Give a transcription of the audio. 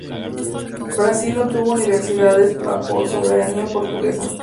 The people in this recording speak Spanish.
Brasil no tuvo universidades bajo soberanía portuguesa.